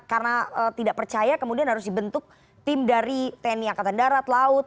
karena tidak percaya kemudian harus dibentuk tim dari tni angkatan darat laut